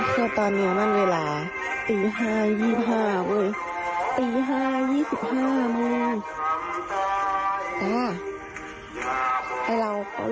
แต่ไอเราก็เลิกงานดีกว่าด้วย